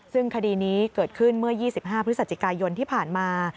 ซึ่งคดีนี้เกิดขึ้นเมื่อ๒๕พฤศจิกายนที่ผ่านมา